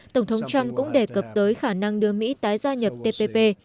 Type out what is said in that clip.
tổng thống trump cũng đề cập tới khả năng đưa mỹ tái gia nhập tpp